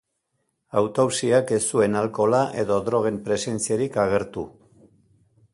Autopsiak ez zuen alkohola edo drogen presentziarik agertu.